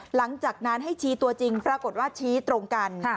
หลังจากนั้นให้ชี้ตัวจริงปรากฏว่าชี้ตรงกัน